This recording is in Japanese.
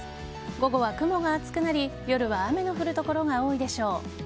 午後は雲が厚くなり夜は雨の降る所が多いでしょう。